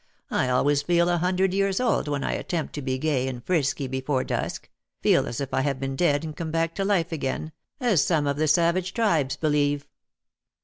I always feel a hundred years old when I attempt to be gay and frisky before dusk — feel as if I had been dead and come back to life again, as some of the savage tribes believe.